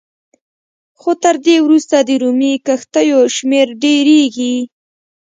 خو تر دې وروسته د رومي کښتیو شمېر ډېرېږي